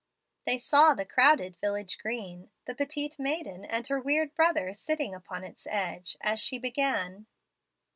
They saw the crowded village green, the petite maiden and her weird brother sitting upon its edge, as she began.